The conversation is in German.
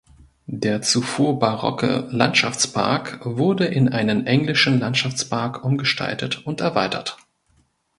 Der zuvor barocke Landschaftspark wurde in einen englischen Landschaftspark umgestaltet und erweitert.